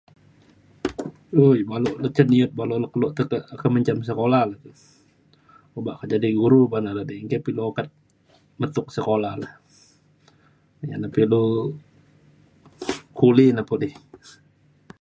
um balok la cen niat balu kelo tekak ke menjam sekula le. Obak ke jadi guru ba na di enggei pa ilu ukat metuk sekula le. Ia’ na pa ilu kuli ne po di.